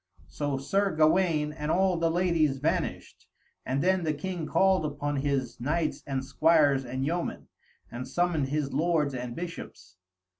So Sir Gawaine and all the ladies vanished, and then the king called upon his knights and squires and yeomen, and summoned his lords and bishops.